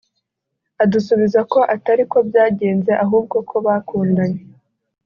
adusubiza ko atari ko byagenze ahubwo ko bakundanye